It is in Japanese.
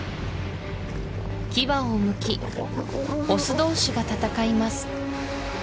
牙をむきオス同士が戦います